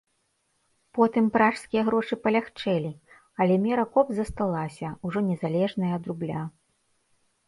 Потым пражскія грошы палягчэлі, але мера коп засталася, ужо незалежная ад рубля.